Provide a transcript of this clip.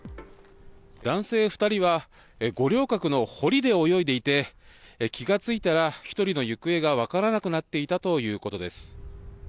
男性２人は、五稜郭の堀で泳いでいて、気が付いたら、１人の行方が分からなくなっていたということです。